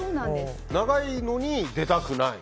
長いのに出たくない？